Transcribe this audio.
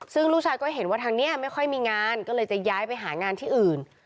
ซึ่งลูกชายก็เห็นว่าทางนี้ไม่ค่อยมีงานก็เลยจะย้ายไปหางานที่อื่น